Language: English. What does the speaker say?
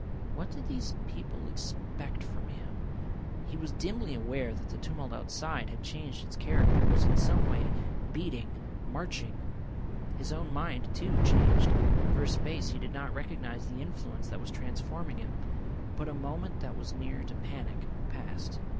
What did these people expect from him. He was dimly aware that the tumult outside had changed its character, was in some way beating, marching. His own mind, too, changed. For a space he did not recognise the influence that was transforming him. But a moment that was near to panic passed.